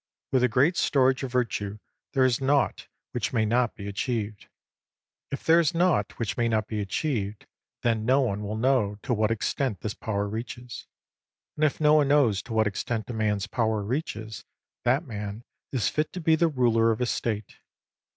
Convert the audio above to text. With a great storage of Virtue there is naught which may not be achieved. If there is naught which may not be achieved, then no one will know to what extent this power reaches. And if no one knows to what extent a man's power reaches, that man is fit to be the ruler of a State.